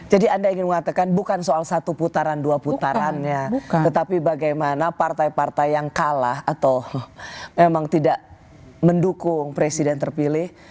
jadi anda ingin mengatakan bukan soal satu putaran dua putarannya tetapi bagaimana partai partai yang kalah atau memang tidak mendukung presiden terpilih